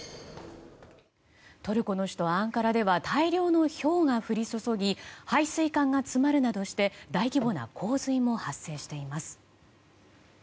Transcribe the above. トルコの首都アンカラでは大量のひょうが降り注ぎ配水管が詰まるなどして大規模な洪水も発生しています。